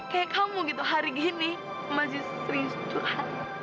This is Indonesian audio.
kayak kamu gitu hari gini masih sering curhat